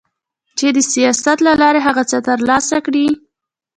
چي د سياست له لارې هغه څه ترلاسه کړي